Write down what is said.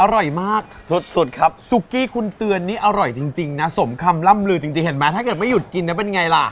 อร่อยมากสุดครับซุกกี้คุณเตือนนี่อร่อยจริงนะสมคำล่ำลือจริงเห็นไหมถ้าเกิดไม่หยุดกินนะเป็นไงล่ะ